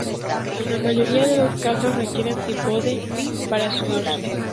En la mayoría de los casos requieren trípode para su uso.